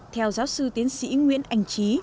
theo giáo sư tiến sĩ nguyễn anh trí